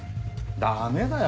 ダメだよ